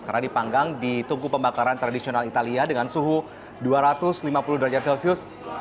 karena dipanggang di tungku pembakaran tradisional italia dengan suhu dua ratus lima puluh derajat celcius